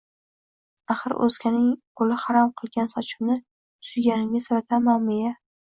Аxir, oʼzganing qoʼli harom qilgan sochimni suyganimga silatamanmi-ya?